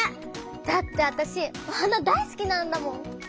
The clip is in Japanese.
だってあたしお花大すきなんだもん！